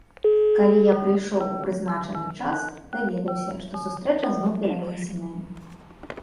Калі я прыйшоў у прызначаны час, даведаўся, што сустрэча зноў перанесеная.